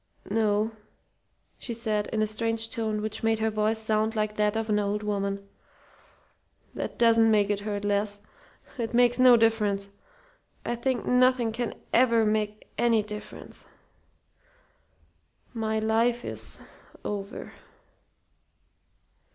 "No," she said in a strange tone which made her voice sound like that of an old woman. "That doesn't make it hurt less. It makes no difference. I think nothing can ever make any difference. My life is over."